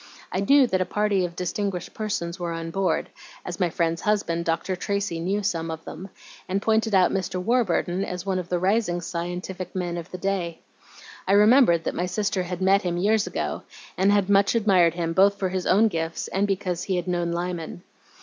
I knew that a party of distinguished persons were on board, as my friend's husband, Dr. Tracy, knew some of them, and pointed out Mr. Warburton as one of the rising scientific men of the day. I remembered that my sister had met him years ago, and much admired him both for his own gifts and because he had known Lyman.